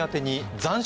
残暑